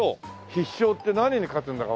必勝って何に勝つんだかわかんない。